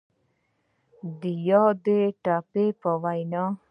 د يادې پتې په وينا،